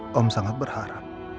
saya sangat berharap